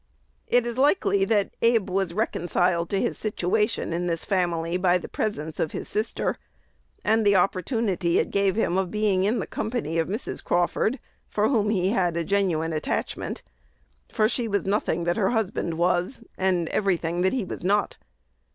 It is likely that Abe was reconciled to his situation in this family by the presence of his sister, and the opportunity it gave him of being in the company of Mrs. Crawford, for whom he had a genuine attachment; for she was nothing that her husband was, and every thing that he was not.